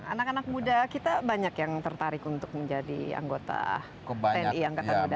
anak anak muda kita banyak yang tertarik untuk menjadi anggota tni angkatan udara